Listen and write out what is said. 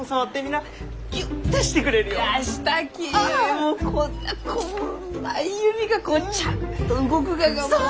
もうこんなこんまい指がこうちゃんと動くががもう！